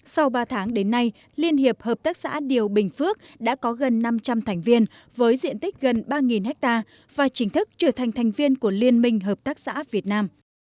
sau ba tháng đến nay liên hiệp hợp tác xã điều bình phước đã có gần năm trăm linh thành viên với diện tích gần ba ha và chính thức trở thành thành viên của liên minh hợp tác xã việt nam